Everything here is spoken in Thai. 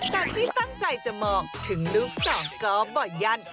แต่ที่ตั้งใจจะมองถึงลูกสองก็บ่อยั่น